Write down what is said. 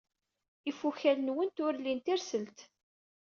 Ifukal-nwent ur lin tirselt.